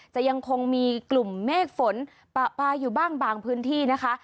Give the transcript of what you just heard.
ยังคงมีกลุ่มเมฆฝนปะปลายอยู่บ้างบางพื้นที่นะคะ